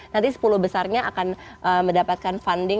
nanti sepuluh besarnya akan mendapatkan funding